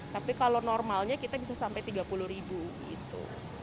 tapi kalau normalnya kita bisa sampai tiga puluh ribu gitu